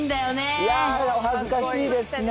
いやー、お恥ずかしいですね。